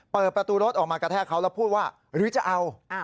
เปิดประตูรถออกมากระแทกเขาแล้วพูดว่าหรือจะเอา